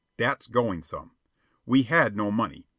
That's going some. We had no money.